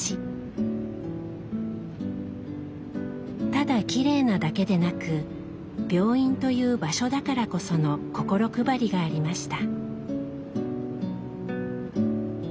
ただきれいなだけでなく病院という場所だからこその心配りがありました。